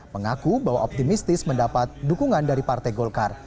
mengaku bahwa optimistis mendapat dukungan dari partai golkar